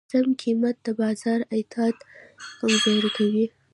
ناسم قیمت د بازار اعتماد کمزوری کوي.